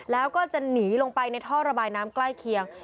แล้วก็จะหนีลงไปในท่อระบายน้ำใกล้เคียง